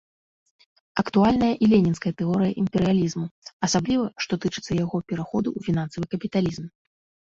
Актуальная і ленінская тэорыя імперыялізму, асабліва, што тычыцца яго пераходу ў фінансавы капіталізм.